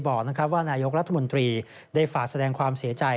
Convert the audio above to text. บอกว่านายกรัฐมนตรีได้ฝากแสดงความเสียใจ